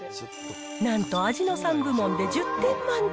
なんと味の３部門で１０点満点。